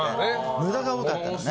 無駄が多かったのね。